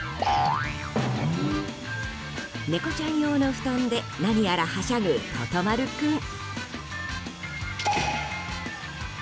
猫ちゃん用の布団で何やらはしゃぐ、ととまる君。